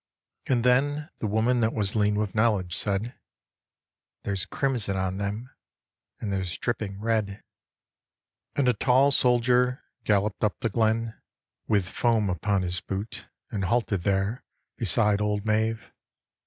And then The woman that was lean with knowledge said :" There's crimson on them, and there's drip ping red." And a tall soldier galloped up the glen BEFORE THE WAR OF COOLEY m With foam upon his boot, and halted there Beside old Maeve.